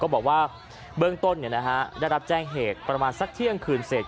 บอกว่าเบื้องต้นได้รับแจ้งเหตุประมาณสักเที่ยงคืนเสร็จ